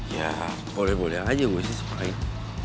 ya boleh boleh aja gue sih sekarang